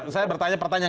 saya bertanya pertanyaan